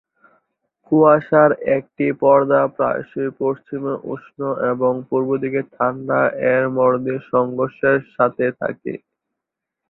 কুয়াশার একটি পর্দা প্রায়শই পশ্চিমে উষ্ণ এবং পূর্ব দিকে ঠান্ডা এর মধ্যে সংঘর্ষের সাথে থাকে।